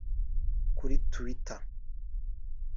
kuri twitter